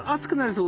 そう。